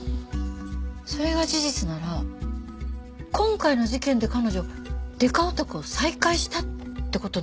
それが事実なら今回の事件で彼女デカオタクを再開したって事になりますよね。